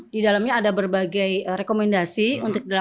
di dalamnya ada berbagai rekomendasi untuk dilakukan